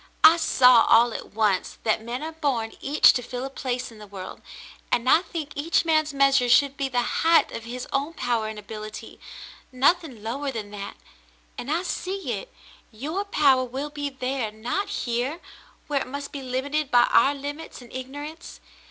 I saw all at once that men are born each to fill a place in the world, and I think each man's measure should be the height of his own power and ability, nothing lower than that; and I see it — your power will be there, not here, where it must be limited by our limits and ignorance.